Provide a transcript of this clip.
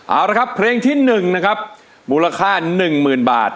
เอาละครับเพลงที่หนึ่งนะครับมูลค่าหนึ่งหมื่นบาท